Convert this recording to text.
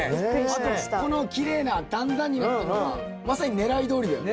あとこのきれいな段々になってるのがまさにねらいどおりだよね。